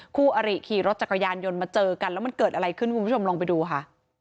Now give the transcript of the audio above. คู่อริขี่รถจักรยานยนต์มาเจอกันแล้วมันเกิดอะไรขึ้นคุณผู้ชมลองไปดูค่ะ